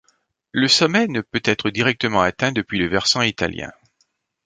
Le sommet ne peut être directement atteint depuis le versant italien.